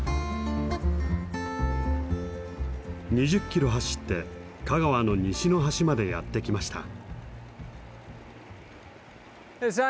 ２０キロ走って香川の西の端までやって来ました。